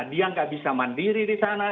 dia nggak bisa mandiri di sana